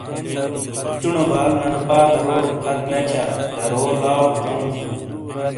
چُونو بال ننہ پا دروڑے پھت نیتھیا درو لاٶ ژاٶوں ہوں ۔۔